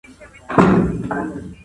مادي وسايل بايد برابر سي.